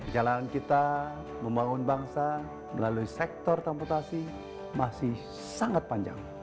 jalan kita membangun bangsa melalui sektor transportasi masih sangat panjang